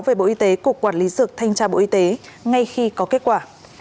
về bộ y tế cục quản lý dược thanh tra bộ y tế ngay khi có kết quả